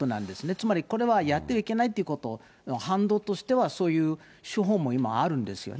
つまりこれはやってはいけないということ、反動としては、そういう手法も今あるんですよね。